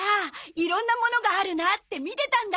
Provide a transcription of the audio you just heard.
いろんなものがあるなって見てたんだよ。